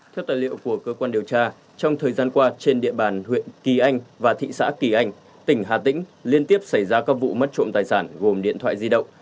theo tài liệu của cơ quan điều tra trong thời gian qua trên địa bàn huyện kỳ anh và thị xã kỳ anh tỉnh hà tĩnh liên tiếp xảy ra các vụ mất trộm tài sản gồm điện thoại di động